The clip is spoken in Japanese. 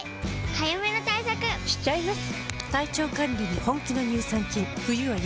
早めの対策しちゃいます。